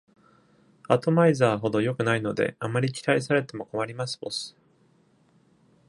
「アトマイザー」ほど良くないので、あまり期待されてもこまります、ボス。